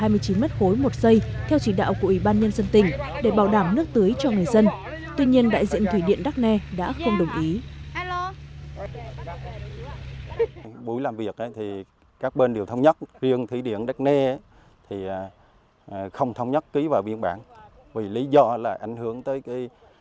nữ thiểu là một hai mươi chín m ba một giây theo chỉ đạo của ủy ban nhân dân tỉnh để bảo đảm nước tưới cho người dân tuy nhiên đại diện thủy điện đắc nè đã không đồng ý